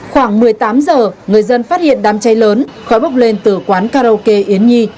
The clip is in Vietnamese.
khoảng một mươi tám giờ người dân phát hiện đám cháy lớn khói bốc lên từ quán karaoke yến nhi